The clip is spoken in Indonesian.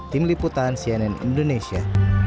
tim liputan cnn indonesia